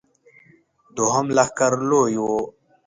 دوهم لښکر لوی و.